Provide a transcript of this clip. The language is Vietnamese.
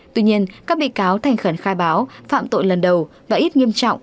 tuy nhiên các bị cáo thành khẩn khai báo phạm tội lần đầu và ít nghiêm trọng